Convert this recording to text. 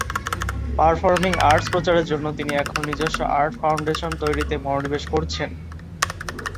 Performing arts প্রচারের জন্য তিনি এখন নিজস্ব আর্ট ফাউন্ডেশন তৈরিতে মনোনিবেশ করছেন।